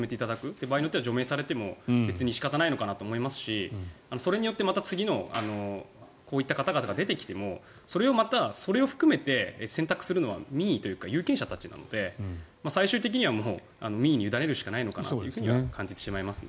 場合によっては除名されても仕方がないのかなと思いますしそれによって次のこういった方々が出てきてもそれを含めて選択するのは民意というか有権者たちなので最終的には民意に委ねるしかないのかなと感じてしまいますね。